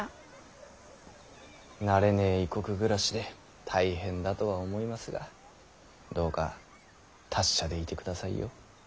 慣れねぇ異国暮らしで大変だとは思いますがどうか達者でいてくださいよ。